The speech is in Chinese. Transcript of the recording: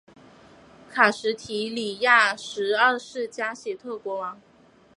卡什提里亚什二世加喜特国王。